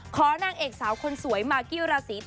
ขอนั่งเอกสาวคนสวยมากี้ราศี